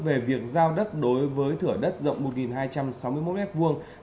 về việc giao đất đối với thửa đất rộng một hai trăm sáu mươi một m hai